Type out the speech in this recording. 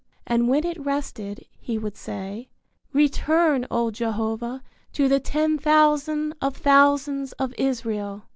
And when it rested, he would say, Return, O Jehovah, to the ten thousand of thousands of Israel.